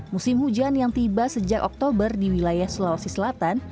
musim hujan yang tiba sejak oktober di wilayah sulawesi selatan